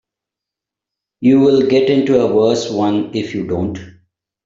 You'll get into a worse one if you don't.